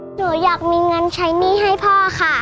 หนูอยากมีเงินใช้หนี้ให้พ่อค่ะ